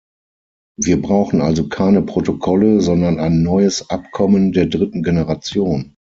Wir brauchen also keine Protokolle, sondern ein neues Abkommen der dritten Generation.